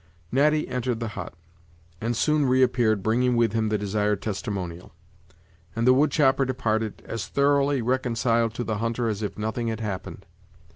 Natty entered the hut, and soon reappeared, bringing with him the desired testimonial; and the wood chopper departed, as thoroughly reconciled to the hunter as if nothing had happened.